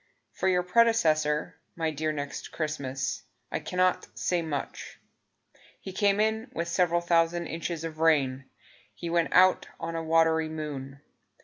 For your predecessor, My dear Next Christmas, I cannot say much. He came in with several thousand inches of rain; He went out on a watery moon.